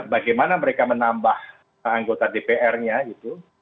bagaimana mereka menambah anggota dpr nya gitu